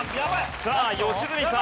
さあ良純さん。